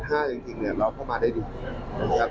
แต่เซต๕จริงเราเข้ามาได้ดีครับ